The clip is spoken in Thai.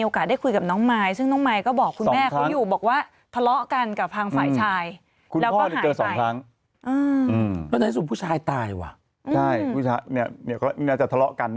ก็จะทะเลาะกัน